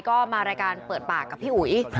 ก็มารายการเปิดปากกับพี่อุ๋ย